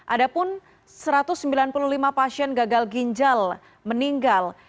ada pun satu ratus sembilan puluh lima pasien gagal ginjal meninggal